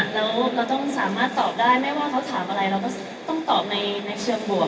แล้วเราต้องสามารถตอบได้ไม่ว่าเขาถามอะไรเราก็ต้องตอบในเชิงบวก